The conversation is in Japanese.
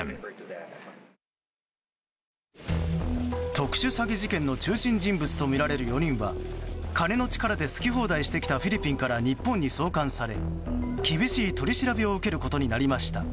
特殊詐欺事件の中心人物とみられる４人は金の力で好き放題してきたフィリピンから日本に送還され厳しい取り調べを受けることになりました。